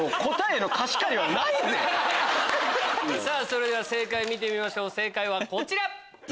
それでは正解見てみましょう正解はこちら。